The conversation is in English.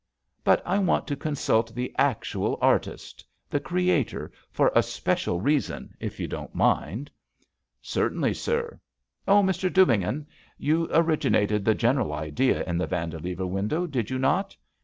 "But I want to consult the actual artist — the creator — for a special reason, if you don't mind." "Certainly, sir. Oh, Mr. Dubignon, you originated the genera! idea in the VamSilever window, did you not?"